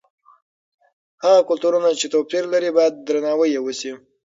هغه کلتورونه چې توپیر لري باید درناوی یې وسي.